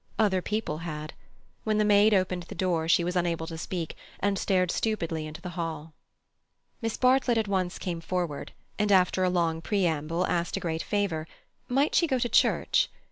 Other people had. When the maid opened the door, she was unable to speak, and stared stupidly into the hall. Miss Bartlett at once came forward, and after a long preamble asked a great favour: might she go to church?